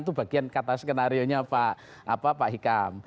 itu bagian kata skenario nya pak hikam